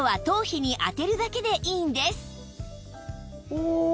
おお。